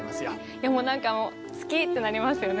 いやもうなんか好きってなりますよね。